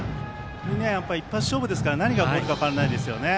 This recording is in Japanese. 一発勝負ですから何が起こるか分からないですよね。